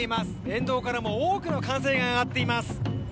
沿道からも多くの歓声が上がっています。